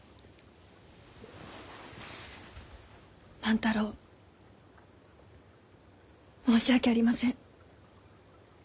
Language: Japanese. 万太郎申し訳ありません。